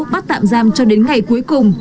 bắt tạm giam cho đến ngày cuối cùng